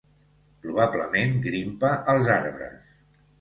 Probablement grimpa als arbres.